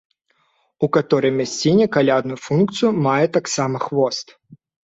У каторай мясціне калядную функцыю мае таксама хвост.